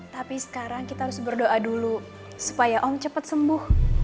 tapi sekarang kita harus berdoa dulu